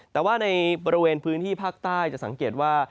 แต่ว่าในบริเวณพื้นที่ภาคใต้จะสังเกตว่า